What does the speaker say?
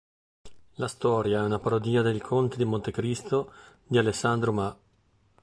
La storia è una parodia de Il conte di Montecristo di Alexandre Dumas.